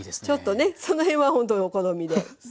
ちょっとねその辺はほんとお好みで。